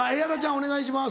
お願いします。